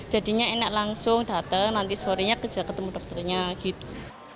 jadinya enak langsung datang nanti sorenya kerja ketemu dokternya gitu